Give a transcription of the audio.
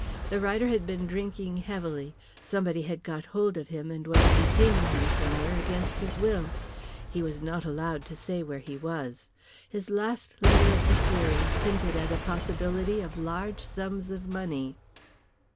The writer had been drinking heavily, somebody had got hold of him, and was detaining him somewhere against his will. He was not allowed to say where he was. His last letter of the series hinted at a possibility of large sums of money.